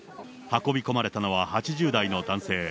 運び込まれたのは８０代の男性。